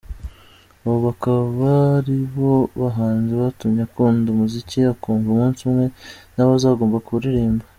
Abo bakaba aribo bahanzi batumye akunda umuziki akumva umunsi umwe nawe azagomba kuririmba.